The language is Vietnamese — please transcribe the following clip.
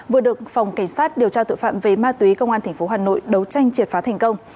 vừa được phòng cảnh sát điều tra tội phạm về ma túy công an tp hà nội đấu tranh triệt phá thành công